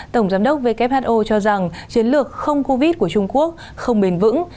tổng giám đốc who cho rằng chiến lược không covid của trung quốc không bền vững